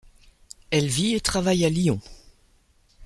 Elle vit et travaille à Lyon.